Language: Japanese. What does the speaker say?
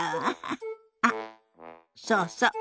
あっそうそう。